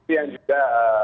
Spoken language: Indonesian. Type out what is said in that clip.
tapi yang juga